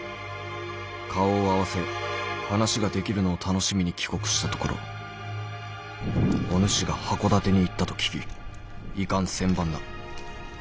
顔を合わせ話ができるのを楽しみに帰国したところお主が箱館に行ったと聞き遺憾千万だ。